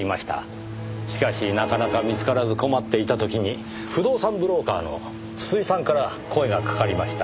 しかしなかなか見つからず困っていた時に不動産ブローカーの筒井さんから声がかかりました。